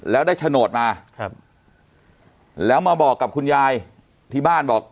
แล้วได้โฉนดมาครับแล้วมาบอกกับคุณยายที่บ้านบอก